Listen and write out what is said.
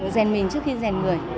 rèn mình trước khi rèn người